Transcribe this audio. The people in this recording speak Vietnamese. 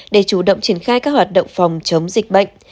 để chủ động triển khai các hoạt động phòng chống dịch bệnh